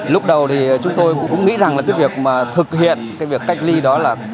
lúc đầu thì chúng tôi cũng nghĩ rằng là cái việc mà thực hiện cái việc cách ly đó là